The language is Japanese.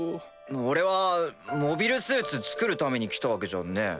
俺はモビルスーツ造るために来たわけじゃねぇ。